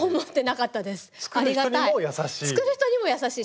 作る人にも優しい。